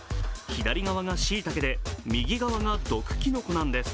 左側がしいたけで、右側が毒きのこなんです。